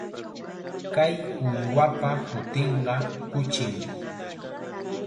Kay uywapa hutinqa kuchim.